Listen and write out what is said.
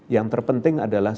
yang terpenting adalah